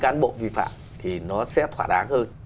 cán bộ vi phạm thì nó sẽ thỏa đáng hơn